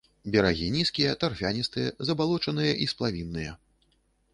Берагі нізкія, тарфяністыя, забалочаныя і сплавінныя.